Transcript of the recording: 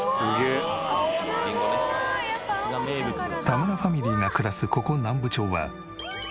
田村ファミリーが暮らすここ